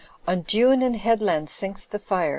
On dune and headland sinks the fire.